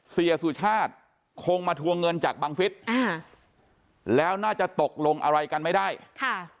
เสียสุชาติคงมาทวงเงินจากบังฟิศอ่าแล้วน่าจะตกลงอะไรกันไม่ได้ค่ะ